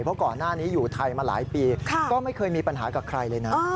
เพราะก่อนหน้านี้อยู่ไทยมาหลายปีก็ไม่เคยมีปัญหากับใครเลยนะ